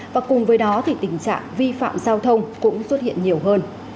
và cùng với đó thì tình trạng vi phạm giao thông cũng xuất hiện nhiều hơn